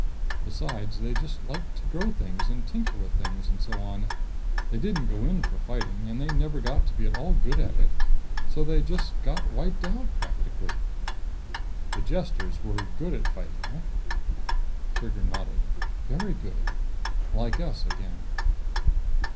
Besides, they just liked to grow things and tinker with things and so on. They didn't go in for fighting, and they never got to be at all good at it. So they just got wiped out, practically." "The Jesters were good at fighting, eh?" Trigger nodded. "Very good. Like us, again."